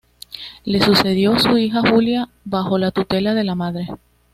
Le sucedió su hija Julia, bajo tutela de la madre.